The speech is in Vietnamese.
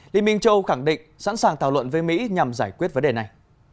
liên minh châu khẳng định sẵn sàng thảo luận với mỹ nhằm giải quyết vấn đề này